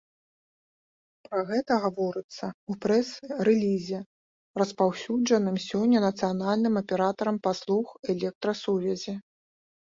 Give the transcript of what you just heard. Пра гэта гаворыцца ў прэс-рэлізе, распаўсюджаным сёння нацыянальным аператарам паслуг электрасувязі.